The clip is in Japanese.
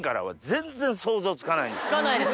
つかないです。